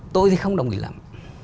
tôi thì không đồng ý lắm